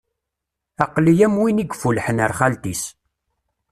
Aql-i am win i yeffulḥen ar xalt-is.